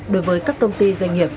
đối với các công ty doanh nghiệp